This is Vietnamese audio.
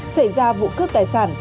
xảy ra vụ cướp tài sản